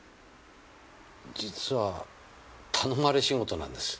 実は頼まれ仕事なんです。